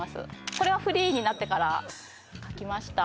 これはフリーになってからかきました